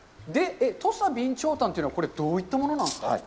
土佐備長炭というのは、これ、どういったものなんですか。